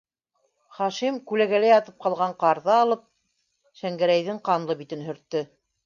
Хашим, күләгәлә ятып ҡалған ҡарҙы алып, Шәңгәрәйҙең ҡанлы битен һөрттө: